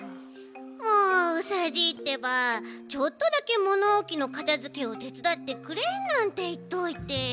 もううさじいってばちょっとだけものおきのかたづけをてつだってくれなんていっといて。